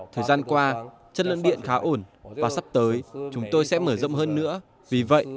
thời gian qua chất lượng điện khá ổn và sắp tới chúng tôi sẽ mở rộng hơn nữa vì vậy